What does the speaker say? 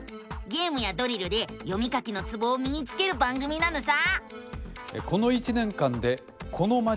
ゲームやドリルで読み書きのツボをみにつける番組なのさ！